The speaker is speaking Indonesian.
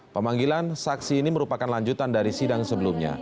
pemanggilan saksi ini merupakan lanjutan dari sidang sebelumnya